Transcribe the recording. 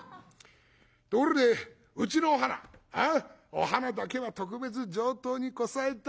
ところでうちのお花お花だけは特別上等にこさえた。